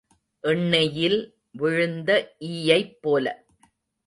எண்ணெயில் விழுந்த ஈயைப் போல.